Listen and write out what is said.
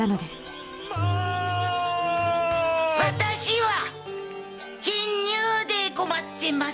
「私は貧乳で困ってます」